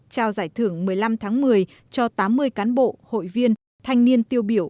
trao giải thưởng một mươi năm tháng một mươi cho tám mươi cán bộ hội viên thanh niên tiêu biểu